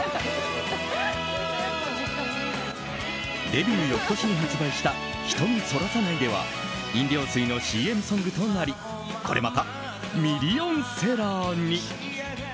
デビュー翌年に発売した「瞳そらさないで」は飲料水のＣＭソングとなりこれまたミリオンセラーに。